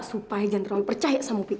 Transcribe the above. supaya jangan terlalu percaya sama opi